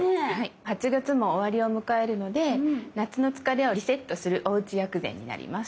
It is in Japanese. ８月も終わりを迎えるので夏の疲れをリセットするおうち薬膳になります。